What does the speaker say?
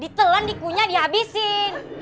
ditelan dikunyah dihabisin